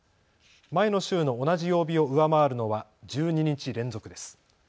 前の週の同じ曜日を上回るのは１２日連続です。